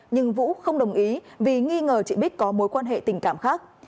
nhưng vũ không đồng ý vì nghi ngờ chị bích có mối quan hệ tình cảm khác